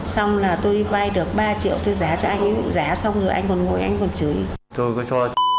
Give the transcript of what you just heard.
xong là tôi đi vay được ba triệu tôi giá cho anh giá xong rồi anh còn ngồi anh còn chửi